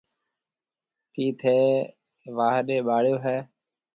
ڪِي ٿَي واهڏيَ ٻاݪيو هيَ؟